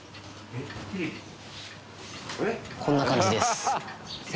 こんな感じです。